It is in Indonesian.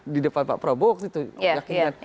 di depan pak prabowo waktu itu yakin